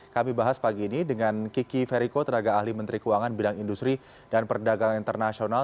kami bahas pagi ini dengan kiki feriko tenaga ahli menteri keuangan bidang industri dan perdagangan internasional